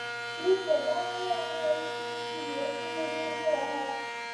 دوی په دغو یرغلونو کې بېخي ري نه واهه.